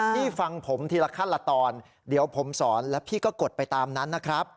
พี่ฟังผมทีละขั้นละตอนเดี๋ยวผมสอนแล้วพี่ก็กดไปตามนั้นนะครับ